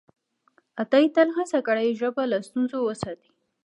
عطایي تل هڅه کړې چې ژبه له ستونزو وساتي.